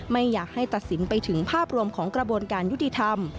ไม่อยากให้ตัดสินไปถึงภาพรวมของกระบวนการยุติธรรม